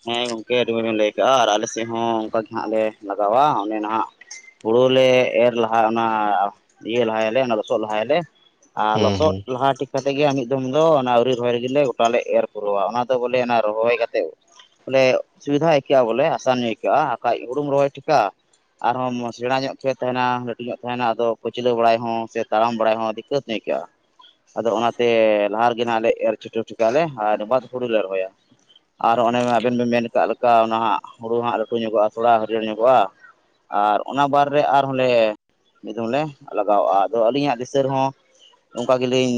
ᱦᱮᱸ ᱜᱚᱢᱠᱮ ᱟᱰᱤ ᱢᱚᱢ ᱞᱟ. ᱭ ᱠᱟᱜᱼᱟ ᱟᱞᱮᱥᱮᱱ ᱦᱚᱸ ᱱᱟᱟᱜ ᱞᱮ ᱞᱟᱜᱟᱣᱟ ᱚᱸᱰᱮ ᱱᱟᱦᱟᱜᱼᱼ ᱦᱩᱲᱳ ᱞᱮ ᱮᱨ ᱞᱟᱦᱟ ᱚᱱᱟ ᱤᱭᱟᱹ ᱞᱟᱦᱟᱭᱟᱞᱮ ᱚᱱᱟ ᱞᱚᱥᱚᱫ ᱞᱟᱦᱟᱭᱟᱞᱮ᱾ ᱟᱨ ᱦᱩᱸ ᱞᱚᱥᱚᱫ ᱦᱩᱸ ᱞᱟᱦᱟ ᱴᱷᱤᱠᱼᱼ ᱛᱮᱮᱫ ᱜᱮ ᱢᱤᱫ ᱫᱚᱢ ᱫᱚ ᱚᱱᱟ ᱟᱹᱨᱤ ᱨᱚᱦᱚᱭ ᱞᱮᱜᱮᱞᱮ ᱜᱚᱴᱟᱞᱮ ᱮᱨ ᱯᱩᱨᱟᱹᱣᱟ ᱚᱱᱟ ᱫᱚ ᱵᱚᱞᱮ ᱨᱚᱦᱚᱭ ᱠᱟᱛᱮᱮᱫᱼᱼ ᱵᱚᱞᱮ ᱥᱩᱵᱤᱫᱷᱟ ᱟᱹᱭᱠᱟᱹᱜᱼᱟ ᱵᱚᱞᱮ ᱟᱥᱟᱱᱧᱜ ᱟᱹᱭᱠᱟᱹᱜᱼᱟ ᱟᱨᱠᱷᱟᱡ ᱦᱩᱲᱩᱢ ᱨᱚᱦᱚᱭ ᱴᱷᱤᱠᱟᱼᱟ᱾ ᱟᱨᱦᱚᱸ ᱢ ᱥᱮᱬᱟ ᱧᱚᱜ ᱜᱮ ᱛᱟᱦᱮᱱᱟ ᱞᱟᱹᱴᱩ ᱧᱚᱜ ᱛᱟᱦᱮᱱᱟ ᱟᱫᱚ ᱯᱟᱹᱪᱞᱟᱹ ᱵᱟᱲᱟᱭ ᱦᱚᱸ ᱥᱮ ᱛᱟᱲᱟᱢ ᱵᱟᱲᱟᱭ ᱦᱚᱸ ᱫᱤᱠᱟᱹᱛᱼᱼ ᱱᱭᱠᱟᱹᱜᱼᱟ ᱟᱫᱚ ᱚᱱᱟᱛᱮ ᱞᱟᱦᱟ ᱨᱮᱜᱮ ᱱᱟᱟᱜ ᱞᱮ ᱮᱨ ᱠᱟᱜᱼᱟᱞᱮ ᱟᱨ ᱵᱟᱫᱽ ᱦᱩᱲᱩᱞ ᱞᱮ ᱨᱚᱦᱚᱭᱟ᱾ ᱟᱨ ᱚᱱᱮ ᱟᱵᱮᱱ ᱵᱮᱱ ᱢᱮᱱ ᱠᱟᱜ ᱞᱮᱠᱟ ᱚᱱᱟ ᱦᱟᱸᱜ ᱦᱩᱲᱩ ᱦᱟᱸᱜ ᱞᱟᱹᱴᱩ ᱧᱚᱜᱚᱜᱼᱟ ᱛᱷᱚᱲᱟ ᱦᱟᱹᱬᱭᱟᱹᱲ ᱧᱚᱜᱚᱜᱼᱟᱼᱼ ᱟᱨ ᱚᱱᱟ ᱵᱟᱨ ᱨᱮ ᱟᱨᱦᱞᱮᱼᱼ ᱢᱤᱫ ᱫᱚᱢ ᱞᱮ ᱞᱟᱜᱟᱣᱟᱜᱼᱟ ᱟᱫᱚ ᱟᱹᱞᱤᱧᱟᱜ ᱫᱤᱥᱟᱹ ᱨᱮᱦᱚᱸᱼᱼ ᱚᱱᱠᱟ ᱜᱮᱞᱤᱧ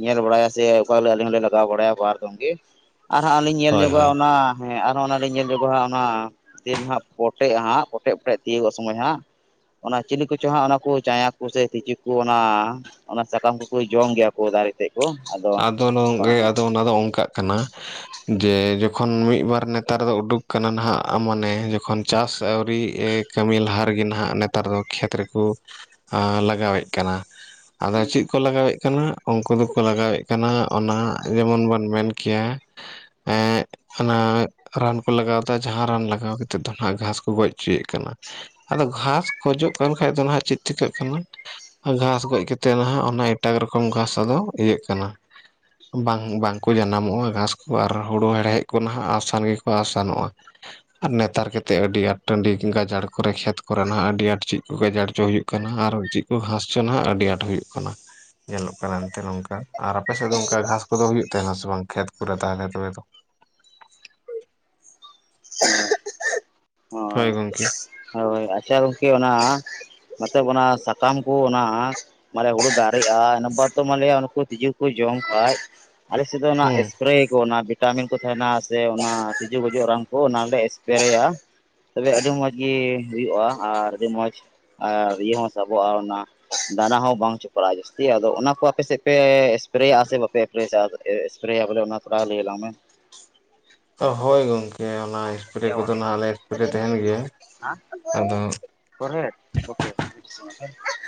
ᱧᱮᱞ ᱵᱟᱲᱟᱭᱟ ᱥᱮ ᱚᱠᱟ ᱞᱟᱜᱟᱣ ᱵᱟᱲᱟᱭᱟ ᱵᱟᱨᱠᱚᱢ ᱜᱮ ᱟᱨᱦᱟᱸᱜ ᱟᱹᱞᱤᱤᱧ ᱧᱮᱞ ᱦᱳᱭ ᱧᱚᱜᱚᱜᱼᱟ ᱦᱳᱭ ᱚᱱᱟ ᱦᱮᱸ ᱟᱨᱦᱚᱸ ᱚᱱᱟ ᱞᱤᱧ ᱧᱮᱞ ᱧᱚᱜᱚᱜᱼᱟᱸ ᱚᱱᱟ ᱫᱤᱱ ᱦᱟᱸᱜ ᱯᱚᱴᱮᱜᱼᱟ ᱦᱟᱸᱜ ᱯᱚᱴᱮᱡ ᱯᱚᱴᱮᱡ ᱛᱤᱭᱳᱚᱜ ᱥᱚᱢᱚᱭ ᱦᱟᱸᱜᱼᱼ ᱚᱱᱟ ᱪᱤᱞᱤ ᱠᱚᱪᱚᱝ ᱦᱟᱸᱜ ᱚᱱᱟ ᱠᱚ ᱪᱟᱭᱟ ᱠᱚᱥᱮ ᱛᱤᱡᱩ ᱠᱚ ᱚᱱᱟᱼᱼ ᱚᱱᱟ ᱥᱟᱠᱟᱢ ᱠᱚᱠᱚ ᱡᱚᱢ ᱜᱮᱭᱟ ᱠᱚ ᱫᱟᱨᱮᱛᱮᱮᱫᱼᱼ ᱟᱫᱚ ᱱᱚᱝᱠᱮ ᱟᱫᱚ ᱚᱱᱟ ᱫᱚ ᱚᱱᱠᱟᱜ ᱠᱟᱱᱟ᱾ ᱡᱮ ᱡᱚᱠᱷᱚᱱ ᱢᱤᱫ ᱵᱟᱨ ᱱᱮᱛᱟᱨ ᱫᱚ ᱩᱰᱩᱠ ᱟᱠᱟᱱᱟ ᱱᱟᱦᱟᱜ ᱢᱟᱱᱮ ᱡᱚᱠᱷᱚᱱ ᱪᱟᱥ ᱟᱹᱣᱨᱤ ᱮᱼᱼ ᱠᱟᱹᱢᱤ ᱞᱟᱦᱟ ᱨᱮᱜᱮ ᱱᱟᱦᱟᱜ ᱱᱮᱛᱟᱨ ᱫᱚ ᱠᱷᱮᱛ ᱨᱮᱠᱚ ᱞᱟᱜᱟᱣᱮᱫ ᱠᱟᱱᱟ᱾ ᱟᱫᱚ ᱪᱮᱫ ᱠᱚ ᱞᱟᱜᱟᱣᱮᱫ ᱠᱟᱱᱟ ᱩᱱᱠᱩ ᱫᱚᱠᱚ ᱞᱟᱜᱟᱣᱮᱫᱼᱼ ᱠᱟᱱᱟ ᱚᱱᱟ ᱡᱮᱢᱚᱱ ᱵᱚᱱ ᱢᱮᱱ ᱠᱮᱭᱟ ᱮᱸᱼᱼ ᱚᱱᱟ ᱨᱟᱱ ᱠᱚ ᱞᱟᱜᱟᱣᱫᱟ ᱡᱟᱦᱟᱸ ᱨᱟᱱ ᱞᱟᱜᱟᱣ ᱠᱟᱛᱮᱫ ᱫᱚ ᱦᱟᱜ ᱜᱷᱟᱸᱥ ᱠᱚ ᱜᱚᱡ ᱦᱚᱪᱚᱭᱮᱫ ᱠᱟᱱᱟ᱾ ᱟᱫᱚ ᱜᱷᱟᱥ ᱠᱷᱚᱡᱚᱜ ᱠᱟᱱ ᱠᱷᱟᱱ ᱫᱚ ᱱᱟᱦᱜ ᱪᱮᱫ ᱪᱤᱠᱟᱹᱜ ᱠᱟᱱᱟ᱾ ᱜᱷᱟᱸᱥ ᱜᱚᱡ ᱠᱟᱛᱮᱫ ᱱᱟᱦᱟᱜ ᱚᱱᱟ ᱮᱴᱟᱜ ᱨᱚᱠᱚᱢ ᱜᱷᱟᱸᱥ ᱟᱫᱚ ᱤᱭᱟᱹᱜ ᱠᱟᱱᱟ᱾ ᱵᱟᱝ ᱵᱟᱝᱠᱚ ᱡᱟᱱᱟᱢᱚᱜᱼᱟ ᱜᱷᱟᱸᱥ ᱠᱚ ᱟᱨ ᱦᱩᱲᱩ ᱦᱮᱲᱦᱮᱫ ᱠᱚ ᱱᱟᱦᱟᱜ ᱟᱥᱟᱱ ᱜᱮᱠᱚ ᱟᱥᱟᱱᱚᱜᱼᱟ᱾ ᱟᱨ ᱱᱮᱛᱟᱨ ᱠᱟᱛᱮᱮᱫ ᱟᱹᱰᱤ ᱟᱸᱴ ᱴᱟᱺᱰᱤ ᱜᱟᱡᱟᱲ ᱠᱚᱨᱮ ᱠᱷᱮᱛ ᱠᱚᱨᱮᱱᱟᱜ ᱟᱹᱰᱤ ᱟᱸᱴ ᱪᱮᱫ ᱠᱚ ᱜᱟᱡᱟᱲᱪᱚ ᱦᱩᱭᱩᱜᱼᱼ ᱟᱨ ᱪᱮᱫ ᱠᱚ ᱦᱟᱸᱥᱪᱚ ᱱᱟ ᱟᱹᱰᱤ ᱟᱸᱴ ᱦᱩᱭᱩᱜ ᱠᱟᱱᱟ ᱧᱮᱞᱚᱜ ᱠᱟᱱᱟ ᱮᱱᱛᱮ ᱱᱚᱝᱠᱟ᱾ ᱟᱨ ᱟᱯᱮ ᱥᱮᱫ ᱫᱚ ᱚᱱᱠᱟ ᱜᱷᱟᱥ ᱠᱚᱫᱚ ᱦᱩᱭᱩᱜ ᱛᱟᱦᱮᱱᱟ ᱥᱮ ᱵᱟᱝ ᱠᱷᱮᱛ ᱠᱚᱨᱮ ᱠᱚ ᱨᱮᱫ ᱫᱟᱜᱟᱭ ᱚᱵᱮ ᱛᱚᱼᱼ ᱦᱳᱭ ᱜᱚᱝᱠᱮᱼᱼ ᱦᱳᱭ ᱟᱪᱪᱷᱟ ᱜᱚᱝᱠᱮ ᱚᱱᱟ [inaudible] ᱚᱱᱟ ᱥᱟᱠᱟᱢ ᱠᱚ ᱚᱱᱟᱼᱼ ᱢᱟᱱᱮ ᱦᱩᱲᱩ ᱫᱟᱨᱮᱜᱼᱟ ᱚᱱᱟ ᱵᱟᱟᱨ ᱫᱚ ᱫᱚᱵᱚᱱ ᱞᱟᱹᱭᱟ ᱩᱱᱠᱩ ᱛᱤᱡᱩ ᱠᱚ ᱡᱚᱢ ᱠᱷᱟᱡᱼᱼ ᱟᱞᱮ ᱥᱮ ᱫᱚ ᱚᱱᱟ ᱦᱩᱸ ᱮᱥᱯᱮᱨᱮ ᱠᱚ ᱚᱱᱟᱼᱼ ᱵᱷᱤᱴᱟᱢᱤᱱ ᱠᱚ ᱛᱟᱦᱮᱱᱟ ᱥᱮ ᱚᱱᱟ ᱛᱤᱡᱩ ᱜᱩᱡᱚᱜ ᱨᱟᱱ ᱠᱚ ᱚᱱᱟᱞᱮ ᱮᱥᱯᱮᱨᱮᱭᱟ ᱛᱚᱵᱮ ᱟᱹᱰᱤ ᱢᱚᱸᱡᱽᱼᱼ ᱜᱮ ᱦᱩᱭᱩᱜᱼᱟ ᱟᱨ ᱟᱹᱰᱤ ᱢᱚᱸᱡᱽ ᱟᱨ ᱤᱭᱟᱹ ᱦᱚᱸ ᱥᱟᱵᱚᱜᱼᱟ ᱚᱱᱟᱼᱼ ᱫᱟᱱᱟ ᱦᱚᱸ ᱵᱟᱝ ᱪᱚᱯᱟᱲᱟᱜᱼᱟ ᱡᱟᱹᱥᱛᱤ ᱟᱫᱚ ᱚᱱᱟ ᱠᱚ ᱟᱯᱮ ᱥᱮᱫ ᱯᱮ ᱮᱥᱯᱮᱨᱮᱭᱟᱜᱼᱟ ᱥᱮ ᱵᱟᱯᱮᱼᱼ [inaudible] ᱚᱱᱟ ᱛᱷᱚᱲ ᱞᱟᱟᱜ ᱢᱮ? ᱦᱳᱭ ᱜᱚᱝᱠᱮ ᱚᱱᱟᱼᱼ [unintelligible] ᱟᱫᱚ [unintelligible]